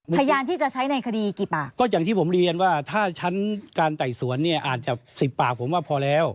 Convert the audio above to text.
พยานที่จะใช้ในคดีกี่ปากก็อย่างที่ผมเรียนว่าถ้าชั้นการไต่สวนเนี่ยอาจจะสิบปากผมว่าพอแล้ว